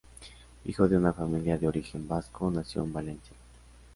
Hijo de una familia de origen vasco, nació en Valencia.